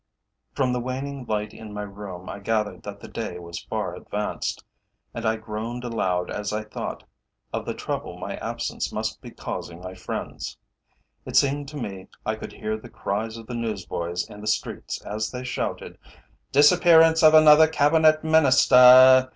From the waning light in my room, I gathered that the day was far advanced, and I groaned aloud as I thought of the trouble my absence must be causing my friends. It seemed to me I could hear the cries of the newsboys in the streets as they shouted: "DISAPPEARANCE OF ANOTHER CABINET MINISTER!"